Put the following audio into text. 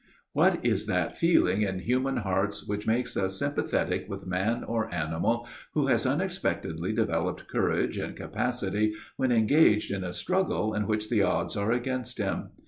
What is that feeling in human hearts which makes us sympathetic with man or animal who has unexpectedly developed courage and capacity when engaged in a struggle in which the odds are against him?